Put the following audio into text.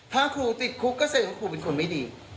ถ้าครูติดคุกก็แสดงว่าครูเป็นคนไม่ดี